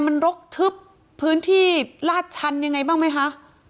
มันรกทึบพื้นที่ลาดชันยังไงบ้างไหมคะ